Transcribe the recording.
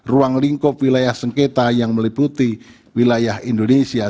ruang lingkup wilayah sengketa yang meliputi wilayah indonesia